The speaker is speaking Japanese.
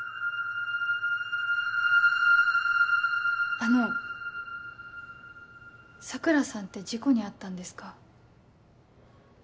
あの桜さんって事故に遭ったんですか？